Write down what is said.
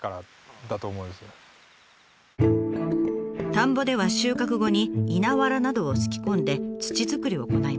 田んぼでは収穫後に稲わらなどをすき込んで土作りを行います。